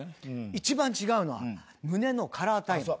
一番違うのは胸のカラータイマー。